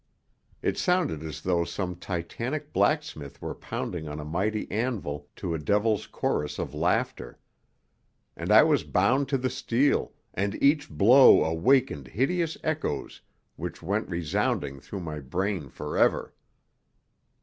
It sounded as though some titanic blacksmith were pounding on a mighty anvil to a devil's chorus of laughter. And I was bound to the steel, and each blow awakened hideous echoes which went resounding through my brain forever.